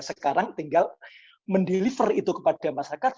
sekarang tinggal mendeliver itu kepada masyarakat